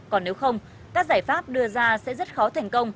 còn nếu không các giải pháp đưa ra sẽ rất khóa